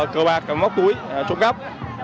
cờ bạc móc túi trộm gắp